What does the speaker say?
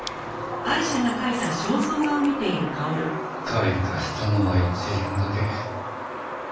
開花したのは１輪だけ。